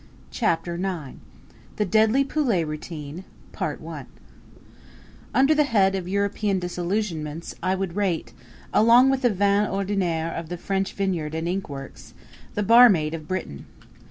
Chapter IX The Deadly Poulet Routine Under the head of European disillusionments I would rate, along with the vin ordinaire of the French vineyard and inkworks, the barmaid of Britain.